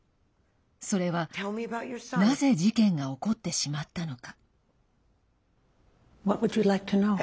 それは、なぜ事件が起こってしまったのか。